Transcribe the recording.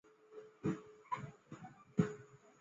生前收藏被贫困的子孙典卖殆尽。